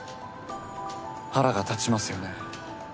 腹が立ちますよね？